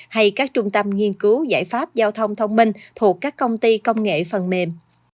hay các trung tâm nghiên cứu giải pháp giao thông thông minh thuộc các công ty công nghệ phần mềm